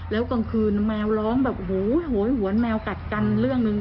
แล้วกลางคืนแมวร้องแบบโอ้โหโหยหวนแมวกัดกันเรื่องหนึ่ง